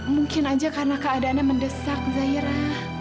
mungkin aja karena keadaannya mendesak zaira